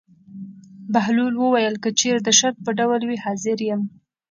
بهلول وویل: که چېرې د شرط په ډول وي حاضر یم.